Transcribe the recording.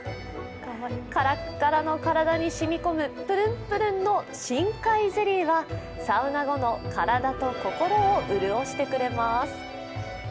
からっからの体に染み込むぷるんぷるんの深海ゼリーはサウナ後の体と心を潤してくれます。